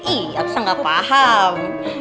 ih aku sih gak paham